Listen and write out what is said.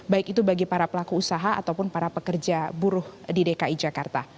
baik itu bagi para pelaku usaha ataupun para pekerja buruh di dki jakarta